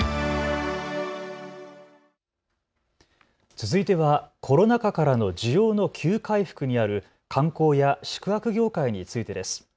続いてはコロナ禍からの需要の急回復にある観光や宿泊業界についてです。